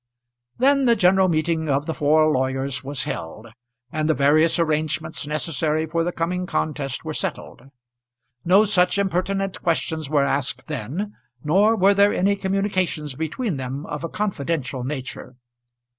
Then the general meeting of the four lawyers was held, and the various arrangements necessary for the coming contest were settled. No such impertinent questions were asked then, nor were there any communications between them of a confidential nature.